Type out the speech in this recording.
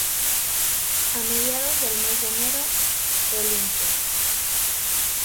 A mediados del mes de enero, el Ing.